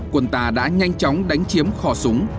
quân ta đã nhanh chóng đánh chiếm kho súng